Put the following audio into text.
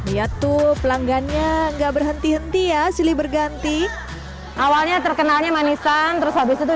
ya tuh pelanggannya enggak berhenti henti ya silih berganti awalnya terkenalnya manisan terus habis itu